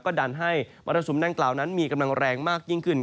ก็ดันให้มรสุมดังกล่าวนั้นมีกำลังแรงมากยิ่งขึ้น